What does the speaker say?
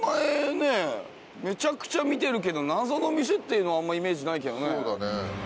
めちゃくちゃ見てるけど謎の店っていうのはあんまりイメージないけどね。